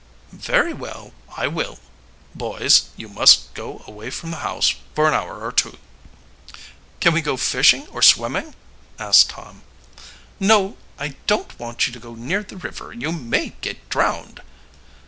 "Very well, I will. Boys, you must go away from the house for an hour or two." "Can we go fishing or swimming?" asked Tom. "No, I don't want you to go near the river, you may get drowned."